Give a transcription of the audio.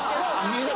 いざ